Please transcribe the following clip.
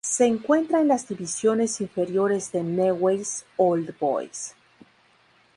Se encuentra en las divisiones inferiores de Newell's Old Boys.